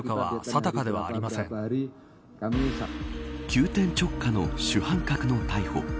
急転直下の主犯格の逮捕。